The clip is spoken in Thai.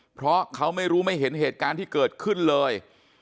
เพราะเขาไม่รู้ไม่เห็นเหตุการณ์ที่เกิดขึ้นเลย